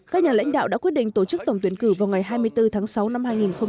các nhà lãnh đạo đã quyết định tổ chức tổng tuyển cử vào ngày hai mươi bốn tháng sáu năm hai nghìn hai mươi